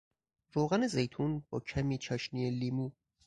روغن زیتون با کمی چاشنی لیمو